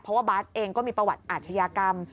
เพราะว่าบาสเองก็มีประวัติอาชญากรรม